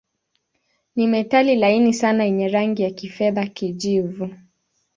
Ni metali laini sana yenye rangi ya kifedha-kijivu.